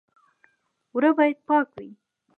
اوړه باید پاک وي